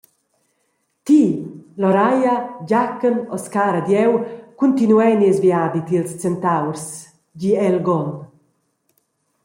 Ti, Loraia, Giachen, Oscar ed jeu cuntinuein nies viadi tiels centaurs», di Elgon.